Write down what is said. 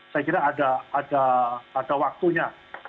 saya kira ada waktunya